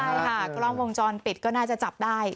ใช่ค่ะกล้องวงจรปิดก็น่าจะจับได้